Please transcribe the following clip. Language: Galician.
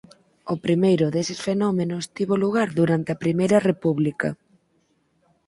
O primeiro deses fenómenos tivo lugar durante a I República.